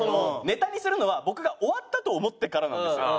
ネタにするのは僕が終わったと思ってからなんですよ。